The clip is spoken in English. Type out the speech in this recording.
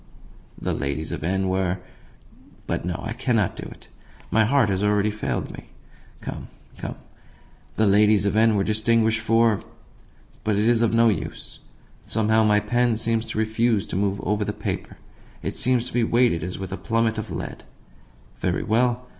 The ladies of N. were But no, I cannot do it; my heart has already failed me. Come, come! The ladies of N. were distinguished for But it is of no use; somehow my pen seems to refuse to move over the paper it seems to be weighted as with a plummet of lead. Very well.